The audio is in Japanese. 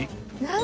何？